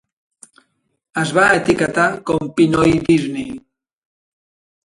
Es va etiquetar com Pinoy Disney.